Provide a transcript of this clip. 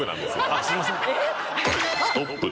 あっすいません。